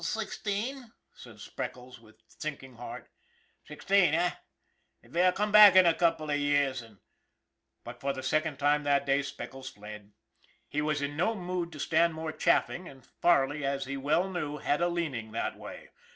" Sixteen," said Speckles, with a sinking heart. " Sixteen, eh ? Well, come back in a couple of years, and " But, for the second time that day, Speckles fled. He was in no mood to stand much chaffing, and Far ley, as he well knew, had a leaning that way.